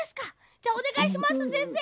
じゃあおねがいしますせんせい。